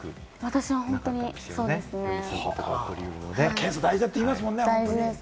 検査は大事だって言いますもんね。